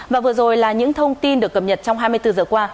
và vừa rồi là những thông tin được cập nhật trong hai mươi bốn giờ qua